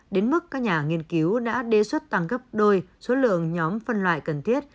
đến mức các nhà nghiên cứu đã đề xuất tăng gấp đôi số lượng nhóm phân loại cần thiết